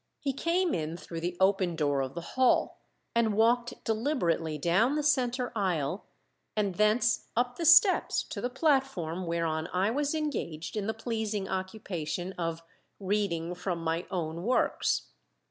He came in through the open door of the hall, and walked deliberately down the center aisle, and thence up the steps to the platform whereon I was engaged in the pleasing occupation of "Reading from My Own Works."